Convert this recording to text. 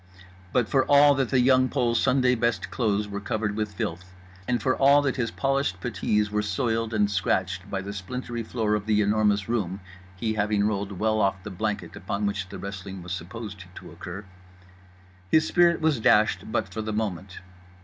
But, for all that The Young Pole's Sunday best clothes were covered with filth, and for all that his polished puttees were soiled and scratched by the splintery floor of The Enormous Room (he having rolled well off the blanket upon which the wrestling was supposed to occur), his spirit was dashed but for the moment.